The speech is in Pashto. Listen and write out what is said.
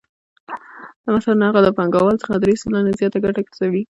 مثلاً هغه له پانګوال څخه درې سلنه زیاته ګټه ګرځوي